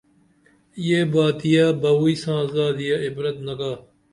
یہ باتیہ بوئی ساں زادیہ عبرت نگا